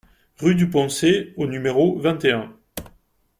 Rue du Poncé au numéro vingt et un